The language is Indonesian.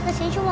kesini cuma mau